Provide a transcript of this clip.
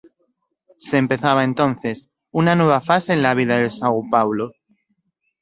Se empezaba entonces, una nueva fase en la vida del São Paulo.